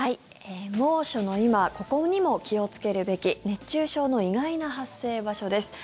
猛暑の今ここにも気をつけるべき熱中症の意外な発生場所です。